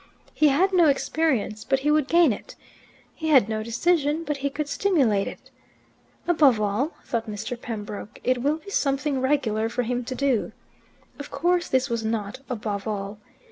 He had no experience, but he would gain it. He had no decision, but he could simulate it. "Above all," thought Mr. Pembroke, "it will be something regular for him to do." Of course this was not "above all."